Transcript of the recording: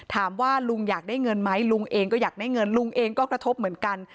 ถามว่าลุงอยากได้เงินไหมลุงเองก็อยากได้เงินลุงเองก็กระทบเหมือนกัน